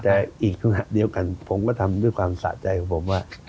แต่อีกเดียวกันผมก็ทำด้วยความสะใจของผมว่า